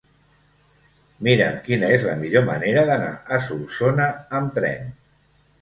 Mira'm quina és la millor manera d'anar a Solsona amb tren.